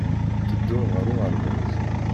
Tedduɣ ɣer uɣerbaz